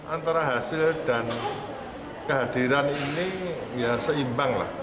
antara hasil dan kehadiran ini ya seimbang lah